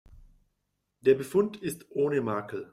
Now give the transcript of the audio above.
Der Befund ist ohne Makel.